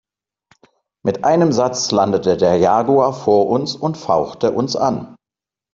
Mit einem Satz landete der Jaguar vor uns und fauchte uns an.